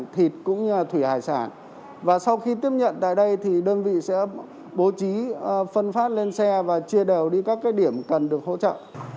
thịt cũng như thủy hải sản và sau khi tiếp nhận tại đây thì đơn vị sẽ bố trí phân phát lên xe và chia đều đi các điểm cần được hỗ trợ